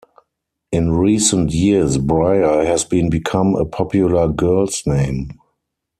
In recent years Bryher has been become a popular girl's name.